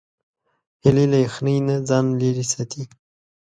هیلۍ له یخنۍ نه ځان لیرې ساتي